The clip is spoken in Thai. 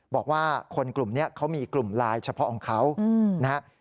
บอกว่าคนกลุ่มนี้เขามีกลุ่มไลน์เฉพาะของเขานะครับ